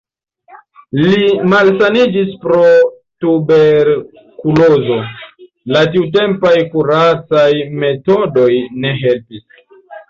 Li malsaniĝis pro tuberkulozo, la tiutempaj kuracaj metodoj ne helpis.